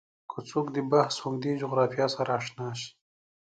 که څوک د بحث اوږدې جغرافیې سره اشنا شي